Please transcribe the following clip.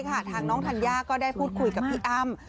ทางน้องธัญญาก็ได้พูดคุยกับพี่อ้ำ